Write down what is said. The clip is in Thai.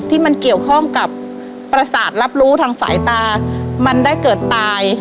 ที่มันเกี่ยวข้องกับประสาทรับรู้ทางสายตามันได้เกิดตาย